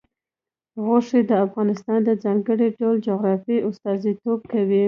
غوښې د افغانستان د ځانګړي ډول جغرافیه استازیتوب کوي.